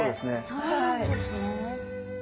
そうなんですね。